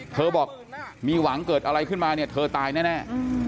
เธอบอกมีหวังเกิดอะไรขึ้นมาเนี่ยเธอตายแน่